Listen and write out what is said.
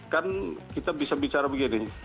kan kita bisa bicara begini